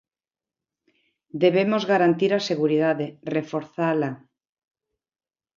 Debemos garantir a seguridade, reforzala.